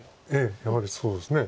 やはりそうですね。